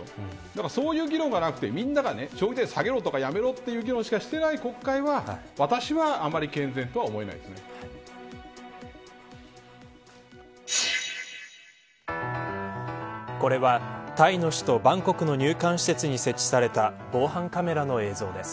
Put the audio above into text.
だから、そういう議論がなくてみんなが消費税下げろとかやめろとかいう議論しかしていない国会は私はこれは、タイの首都バンコクの入管施設に設置された防犯カメラの映像です。